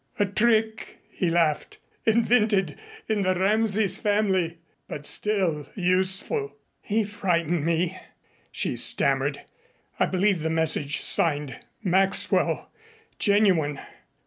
"A trick," he laughed, "invented in the Rameses family but still useful." "He frightened me," she stammered. "I believed the message signed 'Maxwell' genuine."